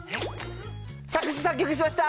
作詞作曲しました。